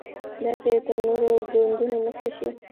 دا چې تر نورو ګوندونو مخکې شي.